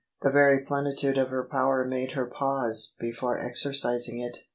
The very plenitude of her power made her pause before exercising it.